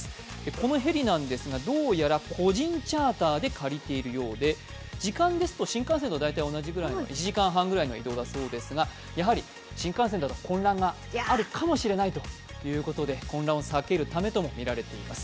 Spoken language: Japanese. このヘリですが、どうやら個人チャーターで借りているようで、時間ですと新幹線と大体同じぐらい、１時間半ぐらいだそうですが、やはり新幹線だと混乱があるかもしれないということで、混乱を避けるためともいわれています。